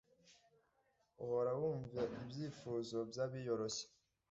uhoraho, wumva ibyifuzo by'abiyoroshya